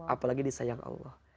apalagi disayang allah